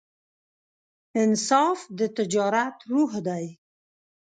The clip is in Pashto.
انصاف د تجارت روح دی.